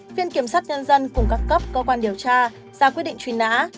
viện kiểm sát nhân dân cùng các cấp cơ quan điều tra ra quyết định trùy ná